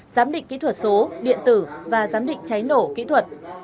giám định kỹ thuật số điện tử và giám định cháy nổ kỹ thuật